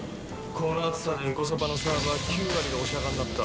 この暑さでンコソパのサーバー９割がオシャカになった。